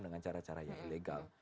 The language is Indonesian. dengan cara cara yang ilegal